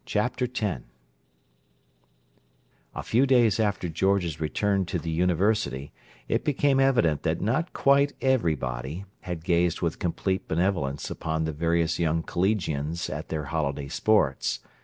Chapter X A few days after George's return to the university it became evident that not quite everybody had gazed with complete benevolence upon the various young collegians at their holiday sports.